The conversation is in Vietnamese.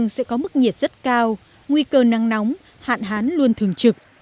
sẽ có mức nhiệt rất cao nguy cơ nắng nóng hạn hán luôn thường trực